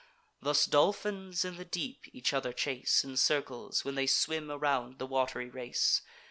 Thus dolphins in the deep each other chase In circles, when they swim around the wat'ry race.